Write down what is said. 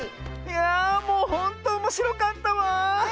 やもうほんとおもしろかったわ！